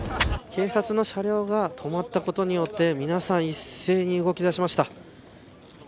警察の車両が止まったことによって皆さん一斉に動きだしました。